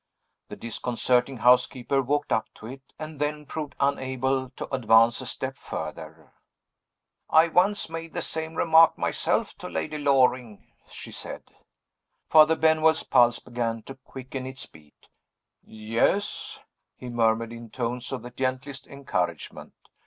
The disconcerting housekeeper walked up to it and then proved unable to advance a step further. "I once made the same remark myself to Lady Loring," she said. Father Benwell's pulse began to quicken its beat. "Yes?" he murmured, in tones of the gentlest encouragement.